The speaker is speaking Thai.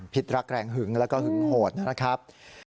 รักแรงหึงแล้วก็หึงโหดนะครับ